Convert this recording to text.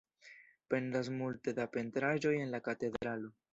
Pendas multe da pentraĵoj en la katedralo.